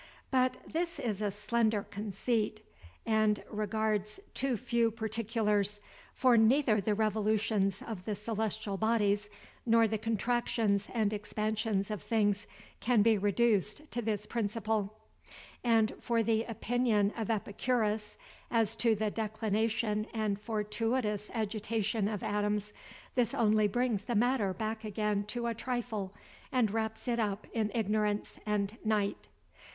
But this is a slender conceit, and regards too few particulars; for neither the revolutions of the celestial bodies, nor the contractions and expansions of things, can be reduced to this principle. And for the opinion of Epicurus, as to the declination and fortuitous agitation of atoms, this only brings the matter back again to a trifle, and wraps it up in ignorance and night.